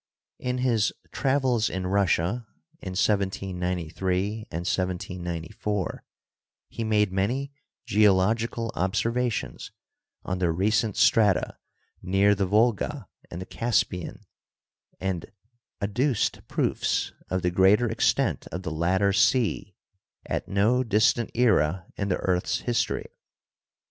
In his "Travels in Russia," in 1793 and 1794, he made many geological observations on the recent strata near the Volga and the Caspian and adduced proofs of the greater extent of the latter sea at no distant era in the earth's history.